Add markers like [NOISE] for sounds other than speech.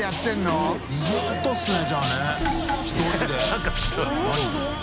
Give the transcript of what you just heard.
何か作ってますね [LAUGHS]